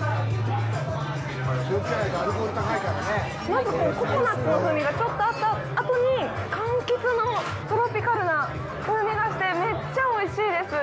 まず、ココナッツの風味がちょっとあったあとに、かんきつの、トロピカルな風味がして、めっちゃおいしいです。